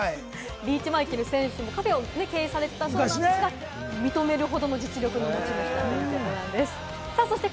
リーチ・マイケル選手もカフェを経営されていたそうなんですが、認めるほどの実力の持ち主ということだそうです。